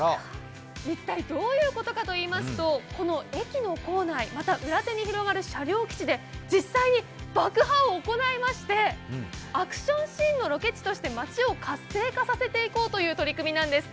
一体どういうことかといいますと、こちらの駅の構内、また裏手に広がる車両基地で実際に爆破を行いましてアクションシーンのロケ地として町を活性化させていこうという取り組みなんです。